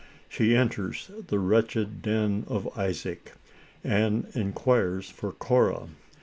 She enters the wretched den of Isaac, and inquires for Cora.